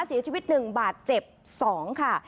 เสียชีวิตหนึ่งบาดเจ็บสองค่ะ